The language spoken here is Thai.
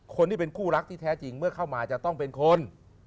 คนที่เป็นคู่รักที่แท้จริงเมื่อเข้ามาจะต้องเป็นคน